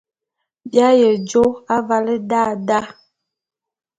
Bi aye jô avale da da.